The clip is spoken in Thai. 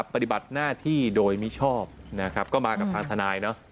ปฏิบัติหน้าที่โดยมิชอบนะครับก็มากับทางทนายเนอะ